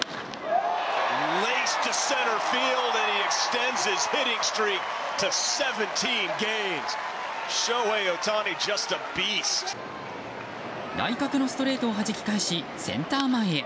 内角のストレートをはじき返しセンター前へ。